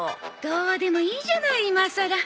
どうでもいいじゃない今さら。